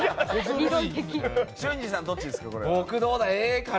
松陰寺さん、どっちですか？